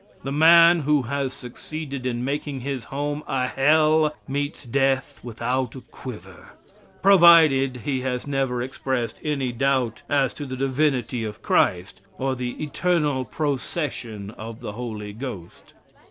The man who has succeeded in making his home a hell meets death without a quiver, provided he has never expressed any doubt as to the divinity of Christ or the eternal "procession" of the Holy Ghost.